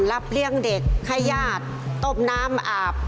รับเลี้ยงเด็กให้ญาติต้มน้ำอาบ